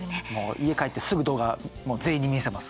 家、帰ってすぐ動画全員に見せます。